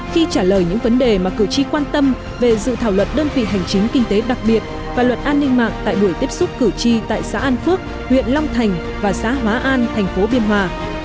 khi trả lời những vấn đề mà cử tri quan tâm về dự thảo luật đơn vị hành chính kinh tế đặc biệt và luật an ninh mạng tại buổi tiếp xúc cử tri tại xã an phước huyện long thành và xã hóa an thành phố biên hòa